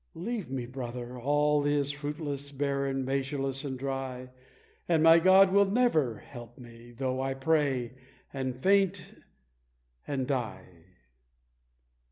Leave me, brother, all is fruitless, barren, measureless, and dry, And my God will never help me though I pray, and faint, and die!"